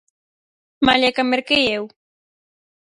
Malia que a merquei eu.